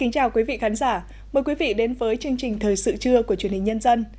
chào mừng quý vị đến với chương trình thời sự trưa của truyền hình nhân dân